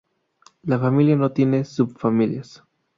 La familia no tiene subfamilias.